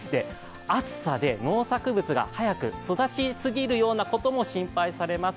暑さで農作物が早く育ちすぎるようなことも心配されます。